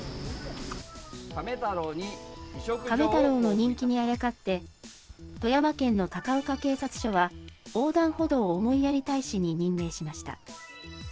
カメ太郎の人気にあやかって、富山県の高岡警察署は、横断歩道おもいやり大使に任命しました。